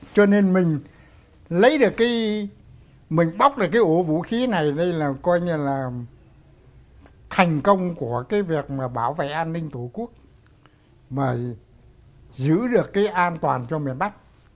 cho nên mình lấy được cái mình bóc được cái ổ vũ khí này đây là coi như là thành công của cái việc mà bảo vệ an ninh tổ quốc mà giữ được cái an toàn cho miền bắc